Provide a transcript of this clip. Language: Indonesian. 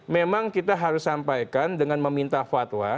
memang kita harus sampaikan dengan meminta fatwa